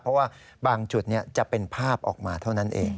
เพราะว่าบางจุดจะเป็นภาพออกมาเท่านั้นเอง